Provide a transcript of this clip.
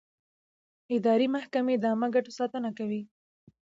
اداري محکمې د عامه ګټو ساتنه کوي.